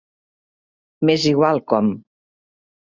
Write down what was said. M"és igual com.